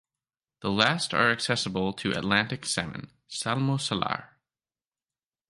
The last are accessible to Atlantic salmon ("Salmo salar").